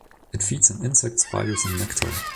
It feeds on insects, spiders and nectar.